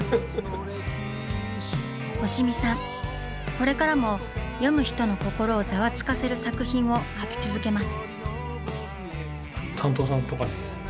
これからも読む人の心をざわつかせる作品を描き続けます。